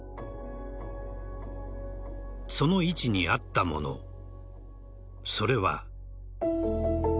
その位置にあったもの、それは。